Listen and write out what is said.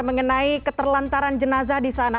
mengenai keterlantaran jenazah di sana